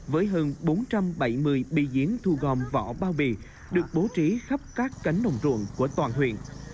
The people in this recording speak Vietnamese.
với hơn bốn trăm bảy mươi bi diễn thu gom vỏ bao bì được bố trí khắp các cánh đồng ruộng của toàn huyện